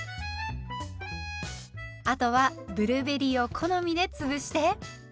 あとはブルーベリーを好みで潰して。